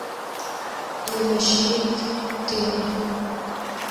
Le Mesnil-en-Thelle